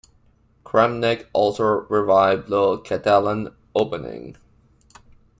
Kramnik also revived the Catalan Opening.